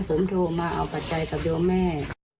ผมโทรมาเอาปัจจัยกับโยมแม่